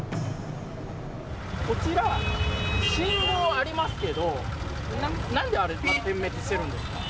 こちら、信号はありますけど、なんであれ、点滅してるんですか？